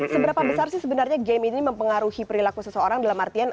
seberapa besar sih sebenarnya game ini mempengaruhi perilaku seseorang dalam artian